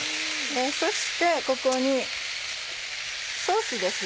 そしてここにソースです。